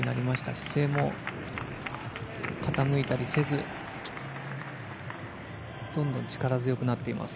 姿勢も傾いたりせずどんどん力強くなっています。